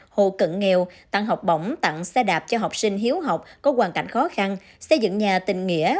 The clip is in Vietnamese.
hộ cận nghèo tặng học bổng tặng xe đạp cho học sinh hiếu học có hoàn cảnh khó khăn xây dựng nhà tình nghĩa